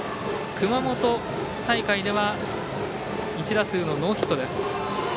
熊本大会では１打数ノーヒット。